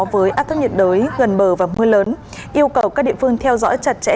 với áp thấp nhiệt đới gần bờ và mưa lớn yêu cầu các địa phương theo dõi chặt chẽ